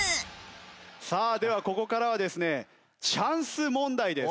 さあではここからはですねチャンス問題です。